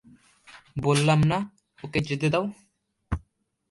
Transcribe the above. বললাম না, ওকে যেতে দাও!